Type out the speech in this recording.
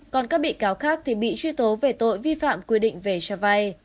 còn các bị cáo khác thì bị truy tố về tội vi phạm quy định về cho vay